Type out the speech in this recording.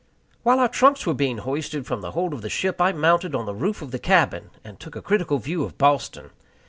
While our trunks were being hoisted from the hold of the ship, I mounted on the roof of the cabin, and took a critical view of Boston.